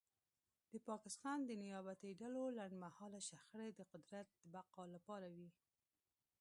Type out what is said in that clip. د پاکستان د نیابتي ډلو لنډمهاله شخړې د قدرت د بقا لپاره وې